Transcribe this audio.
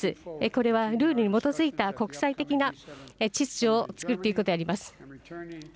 これはルールに基づいた国際的な秩序を作っていくことであります。